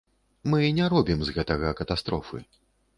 Мы не робім з гэтага катастрофы.